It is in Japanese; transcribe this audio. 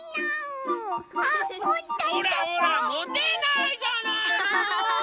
ほらほらもてないじゃないの。